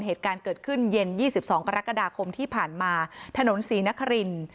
เหตุการณ์เกิดขึ้นเย็น๒๒กรกฎาคมที่ผ่านมาถนนศรีนคริน